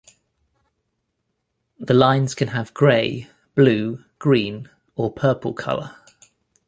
The lines can have gray, blue, green or purple color.